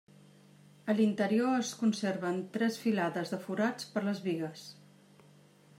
A l'interior es conserven tres filades de forats per les bigues.